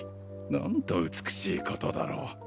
なんと美しいことだろう。